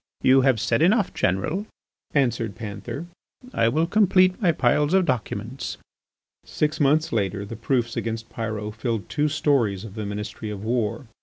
"You have said enough, General," answered Panther, "I will complete my piles of documents." Six months later the proofs against Pyrot filled two storeys of the Ministry of War.